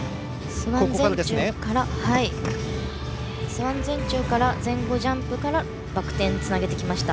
スワン前宙から前後ジャンプからバク転につなげました。